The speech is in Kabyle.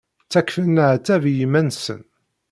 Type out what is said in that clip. Ttakfen leɛtab i yiman-nsen.